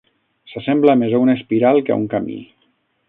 S'assembla més a una espiral que a un camí!